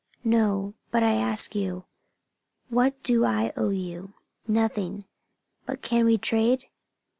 "No. But I ask you, what do I owe you?" "Nothing. But can we trade?